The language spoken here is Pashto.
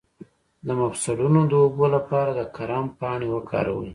د مفصلونو د اوبو لپاره د کرم پاڼې وکاروئ